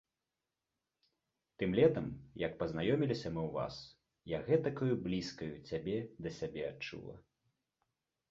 Тым летам, як пазнаёміліся мы ў вас, я гэтакаю блізкаю цябе да сябе адчула.